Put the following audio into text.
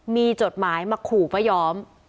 มีจดหมายมาขู่ป้ายอม